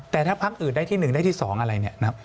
แต่ถ้าภักดิ์อื่นได้ที่หนึ่งได้ที่สองอะไรเนี่ยนะครับ